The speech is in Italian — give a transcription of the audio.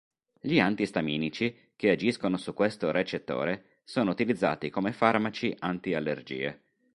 Gli antistaminici, che agiscono su questo recettore, sono utilizzati come farmaci anti-allergie.